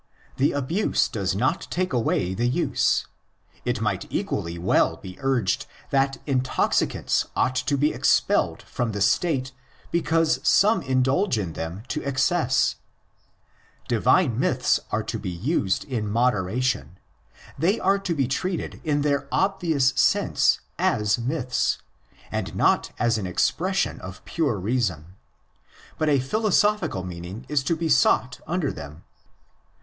The abuse does not take away the use: if might equally well be urged that intoxicants ought to be expelled from the State because some indulge in them to excess. Divine myths are to be used in modera tion: they are to be treated in their obvious sense as myths, and not as an expression of pure reason ; 1 Alluded to, but not mentioned by name. te we "κως 60 THE ORIGINS OF CHRISTIANITY but a philosophical meaning is to be sought under them.